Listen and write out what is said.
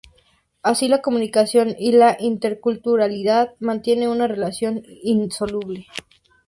Así, la comunicación y la interculturalidad mantienen una relación indisoluble.